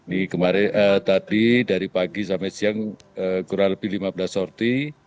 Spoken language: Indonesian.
ini kemarin tadi dari pagi sampai siang kurang lebih lima belas sorti